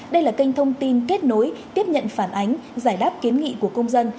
đây là kênh thông tin kết nối tiếp nhận phản ánh giải đáp kiến nghị của công dân